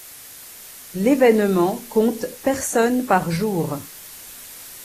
L'événement compte personnes par jour.